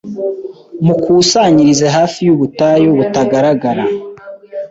Mukusanyirize hafi yubutayu butagaragara